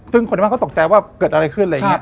ซึ่งคนที่มั่งก็ตกใจว่าเกิดอะไรขึ้น